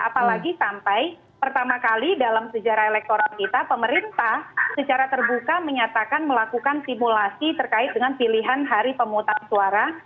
apalagi sampai pertama kali dalam sejarah elektoral kita pemerintah secara terbuka menyatakan melakukan simulasi terkait dengan pilihan hari pemutusan suara